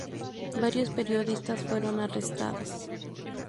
Varios periodistas fueron arrestados.